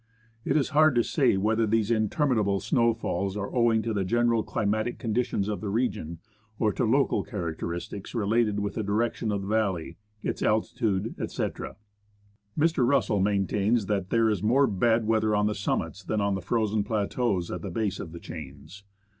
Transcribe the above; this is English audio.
It is hard to say whether these interminable snow falls are owing to the general climatic conditions of the region or to local characteristics related with the direction of the valley, its altitude, etc. Mr. Russell maintains that there is more bad weather on the summits than on the frozen plateaux at the base of the chains.